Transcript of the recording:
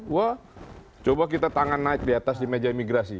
wah coba kita tangan naik di atas di meja imigrasi